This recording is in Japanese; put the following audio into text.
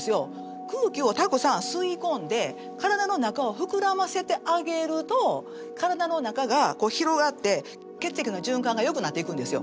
空気をたくさん吸い込んで体の中を膨らませてあげると体の中が広がって血液の循環がよくなっていくんですよ。